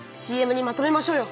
ＣＭにまとめましょうよ。